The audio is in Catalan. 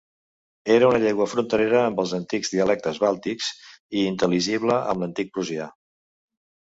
Era una llengua fronterera amb els antics dialectes bàltics, i intel·ligible amb l'antic prussià.